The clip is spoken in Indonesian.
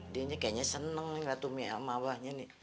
dia kayaknya seneng ngeliat umi sama abahnya nih